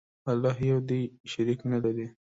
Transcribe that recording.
الله یو دی، شریک نه لري.